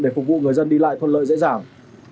để phục vụ người dân đi lại thuận lợi dễ dàng